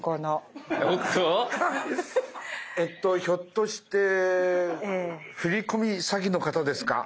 ひょっとして振り込み詐欺の方ですか？